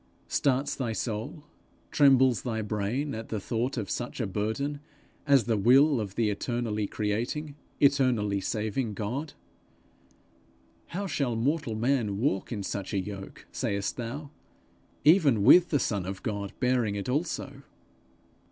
Starts thy soul, trembles thy brain at the thought of such a burden as the will of the eternally creating, eternally saving God? 'How shall mortal man walk in such a yoke,' sayest thou, 'even with the Son of God bearing it also?'